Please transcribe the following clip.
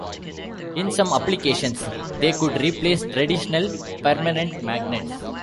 In some applications they could replace traditional permanent magnets.